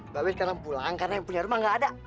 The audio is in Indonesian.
mbak bet kanang pulang karena yang punya rumah gak ada